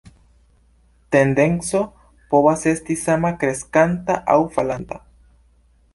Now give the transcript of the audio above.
Tendenco povas esti sama, kreskanta aŭ falanta.